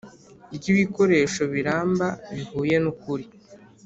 ry ibikoresho biramba bihuye n ukuri